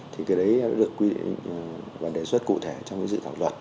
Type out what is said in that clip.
thì cái đấy đã được quy định và đề xuất cụ thể trong cái dự thảo luật